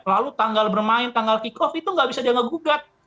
lalu tanggal bermain tanggal kick off itu nggak bisa dianggap gugat